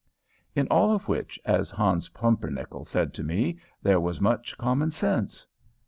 In all of which, as Hans Pumpernickel said to me, there was much common sense.